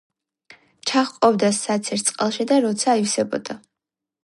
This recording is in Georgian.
ჩაჰყოფდა საცერს წყალში, და როცა აივსებოდა.